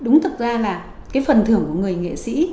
mà cái phần thưởng của người nghệ sĩ